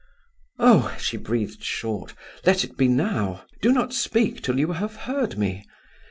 "Oh!" she breathed short, "let it be now. Do not speak till you have heard me.